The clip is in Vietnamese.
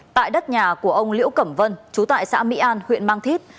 tại đất nhà của ông liễu cẩm vân chú tại xã mỹ an huyện mang thít